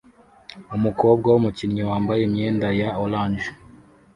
Umukobwa wumukinnyi wambaye imyenda ya orange